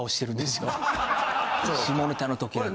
下ネタの時だけ。